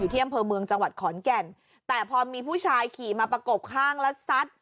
ที่อำเภอเมืองจังหวัดขอนแก่นแต่พอมีผู้ชายขี่มาประกบข้างแล้วซัด